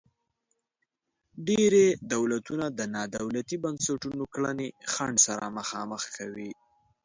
ډیری دولتونه د نا دولتي بنسټونو کړنې خنډ سره مخامخ کوي.